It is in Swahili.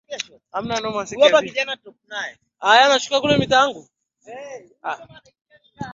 wananchi wameshasema tunampigia watara